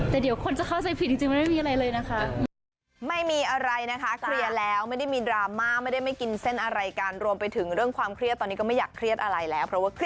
แต่เดี๋ยวคนจะเข้าใจผิดจริงมันไม่มีอะไรเลยนะคะ